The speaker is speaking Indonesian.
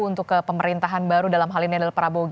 untuk ke pemerintahan baru dalam hal ini adalah